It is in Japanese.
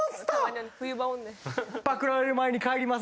パクられる前に帰ります。